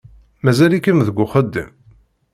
Mazal-ikem deg uxeddim?